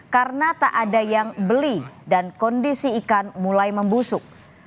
karena tak ada yang beli dan kondisi ikan mulai membusuk